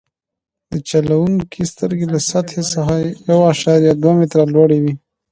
د چلوونکي سترګې له سطحې څخه یو اعشاریه دوه متره لوړې وي